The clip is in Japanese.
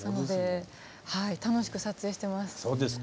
はい楽しく撮影してます。